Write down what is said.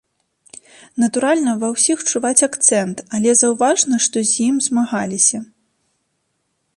Натуральна, ва ўсіх чуваць акцэнт, але заўважна, што з ім змагаліся.